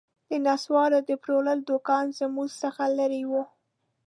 د نسوارو د پلورلو دوکان زموږ څخه لیري و